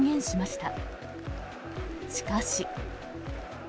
しかし。